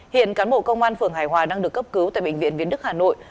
hiện cán bộ công an phường hải hòa đang được cấp cứu tại bệnh viện viễn đức hà nội